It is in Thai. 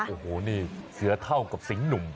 โอ้โหนี่เสือเท่ากับสิงห์หนุ่ม